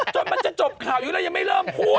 จนมันจะจบข่าวอยู่แล้วยังไม่เริ่มพูด